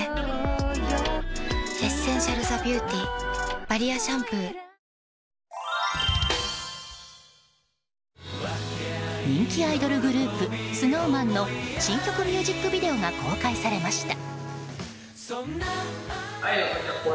クリニカアドバンテージ人気アイドルグループＳｎｏｗＭａｎの新曲ミュージックビデオが公開されました。